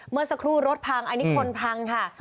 เมื่อสักครู่รถพังอันนี้คนพังค่ะ